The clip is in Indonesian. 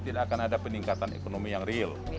tidak akan ada peningkatan ekonomi yang real